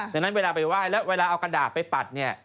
ดังนั้นเวลาไปไหว้แล้วเวลาเอากระดาษไปปัดเนี่ย